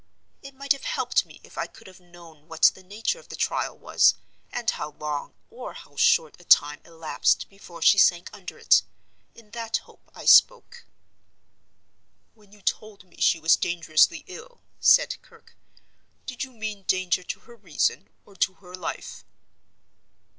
It might have helped me if I could have known what the nature of the trial was, and how long or how short a time elapsed before she sank under it. In that hope I spoke." "When you told me she was dangerously ill," said Kirke, "did you mean danger to her reason or to her life?"